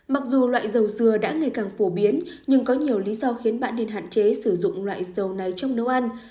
mặc dù loại dầu dừa đã ngày càng phổ biến nhưng có nhiều lý do khiến bạn nên hạn chế sử dụng loại dầu này trong nấu ăn